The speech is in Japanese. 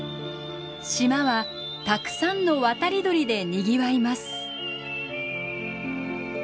島はたくさんの渡り鳥でにぎわいます。